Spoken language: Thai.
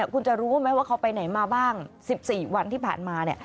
คุณจะรู้ไหมว่าเขาไปไหนมาบ้าง๑๔วันที่ผ่านมาเนี่ย